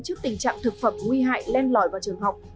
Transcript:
trước tình trạng thực phẩm nguy hại len lỏi vào trường học